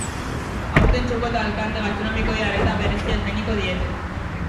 Aurten, txoko eta elkarte gastronomikoei arreta berezia eskainiko diete.